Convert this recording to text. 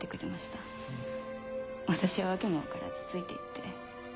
私は訳も分からずついていって。